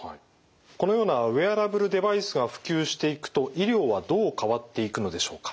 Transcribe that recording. このようなウェアラブルデバイスが普及していくと医療はどう変わっていくのでしょうか？